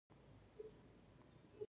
یعنې موږ هغه له ښه ژوند کولو محروم کړو.